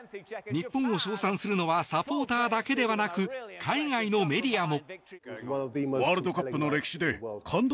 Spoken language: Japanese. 日本を称賛するのはサポーターだけではなく海外のメディアも。